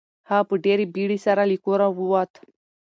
هغه په ډېرې بیړې سره له کوره ووت.